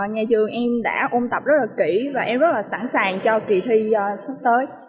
nhà trường em đã ôn tập rất là kỹ và em rất là sẵn sàng cho kỳ thi sắp tới